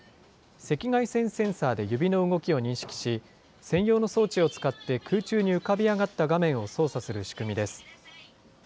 赤外線センサーで指を動きを認識し、専用の装置を使って空中に浮かび上がった画面を操作する仕組みです。